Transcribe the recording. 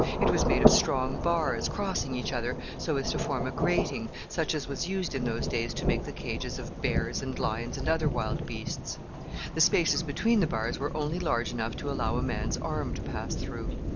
It was made of strong bars, crossing each other so as to form a grating, such as was used in those days to make the cages of bears, and lions, and other wild beasts. The spaces between the bars were only large enough to allow a man's arm to pass through.